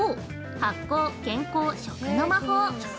発酵、健康、食の魔法！！！」